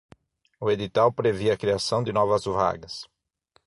O edital previa a criação de novas vagas